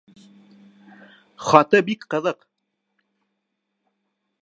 Хаты бик ҡыҙыҡ.